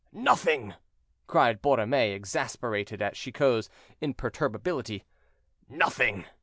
"Nothing," cried Borromée, exasperated at Chicot's imperturbability, "nothing."